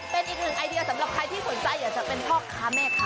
เป็นอีกหนึ่งไอเดียสำหรับใครที่สนใจอยากจะเป็นพ่อค้าแม่ค้า